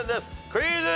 クイズ。